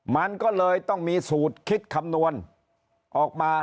มันก็เลยต้องมีสูตรคิดคำนวณออกมา